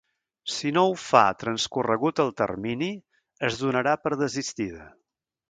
Si no ho fa transcorregut el termini, es donarà per desistida.